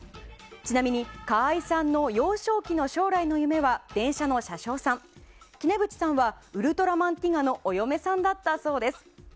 ちなみに河相さんの幼少期の将来の夢は電車の車掌さん杵渕さんはウルトラマンティガのお嫁さんだったそうです。